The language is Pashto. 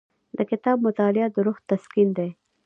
د کتاب مطالعه د روح تسکین دی.